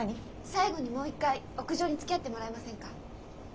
最後にもう一回屋上につきあってもらえませんか？